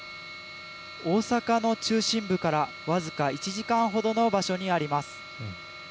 大阪の中心部から僅か１時間ほどの場所にあります。